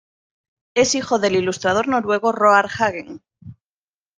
Es hijo del ilustrador noruego Roar Hagen.